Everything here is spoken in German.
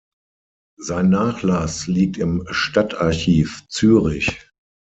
Sein Nachlass liegt im Stadtarchiv, Zürich.